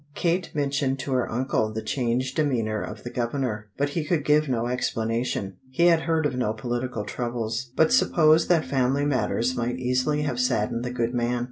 Kate mentioned to her uncle the changed demeanour of the Governor, but he could give no explanation; he had heard of no political troubles, but supposed that family matters might easily have saddened the good man.